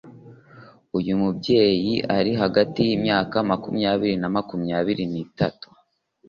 uyu byeyi ari hagati y'imyaka makumyabiri na makumyabiri nitatu